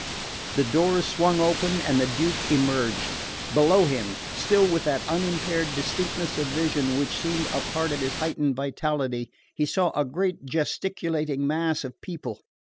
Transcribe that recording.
The doors swung open, and the Duke emerged. Below him, still with that unimpaired distinctness of vision which seemed a part of his heightened vitality, he saw a great gesticulating mass of people.